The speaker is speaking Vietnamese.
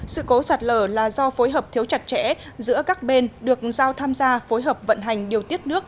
sự cố sạt lở là do phối hợp thiếu chặt chẽ giữa các bên được giao tham gia phối hợp vận hành điều tiết nước